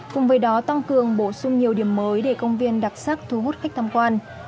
cùng với đó tăng cường bổ sung nhiều điểm mới để công viên đặc sắc thu hút khách tham quan